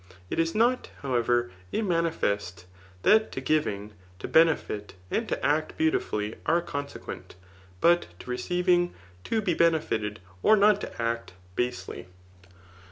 . It is not, however, immapifest, that to giving, to benefit and U) act beautifully are <:onsequent ; fant to receivii^, to be benefited, or not to act basely.